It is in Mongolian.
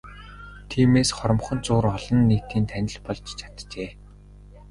Тиймээс хоромхон зуур олон нийтийн танил болж чаджээ.